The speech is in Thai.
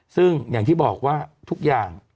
ซึ่งอย่างที่บอกว่าทุกอย่าง